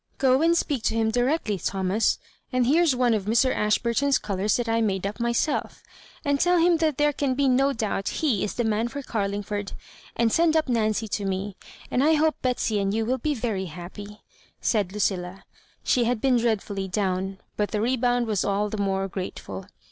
*' Gro and speak to him direct ly, Thomas; and here's one of Mr Ashburton's colours that I made up myself; and teU him that there can be no doubt ^ is the man for Carling ford ; and send up Nancy to me. And I hope Betsy and you will be very happy," said Lucilla. She had been dreadfully down, but the rebound was aU the more grateful.